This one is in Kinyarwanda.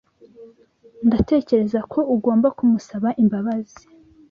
Ndatekereza ko ugomba kumusaba imbabazi.